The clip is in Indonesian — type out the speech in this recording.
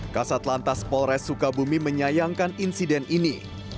kasat lantas polres sukabumi menyayangkan insiden ini